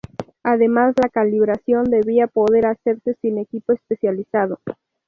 Además la calibración debía poder hacerse sin equipo especializado.